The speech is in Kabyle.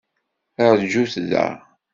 Rjut da!